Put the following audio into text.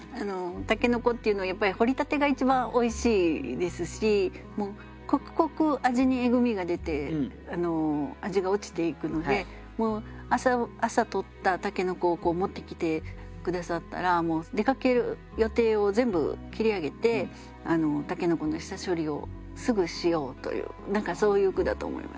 筍っていうのはやっぱり掘りたてが一番おいしいですし刻々味にえぐみが出て味が落ちていくので朝採った筍を持ってきて下さったら出かける予定を全部切り上げて筍の下処理をすぐしようという何かそういう句だと思います。